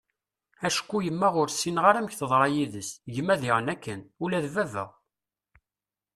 acku yemma ur ssineγ amek teḍṛa yid-s, gma diγen akken, ula d baba